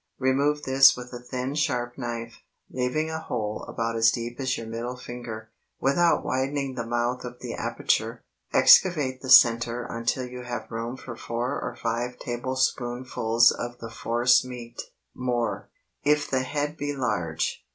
Remove this with a thin sharp knife, leaving a hole about as deep as your middle finger. Without widening the mouth of the aperture, excavate the centre until you have room for four or five tablespoonfuls of the force meat—more, if the head be large.